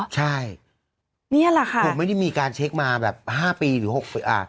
ใช่นี่แหละค่ะผมไม่ได้มีการเช็คมาแบบ๕ปีหรือ๖ปีอ่ะปี๕ปีแล้ว